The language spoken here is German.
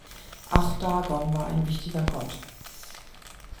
Auch Dagon war ein wichtiger Gott.